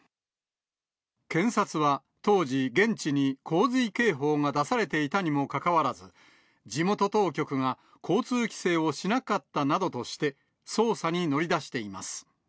検察は、当時、現地に洪水警報が出されていたにもかかわらず、地元当局が交通規制をしなかったなどとして、捜査に乗り出しています。